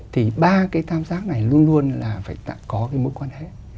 thì ba cái tam giác này luôn luôn là phải có cái mối quan hệ